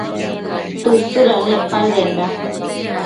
Tësëdanec paëdenda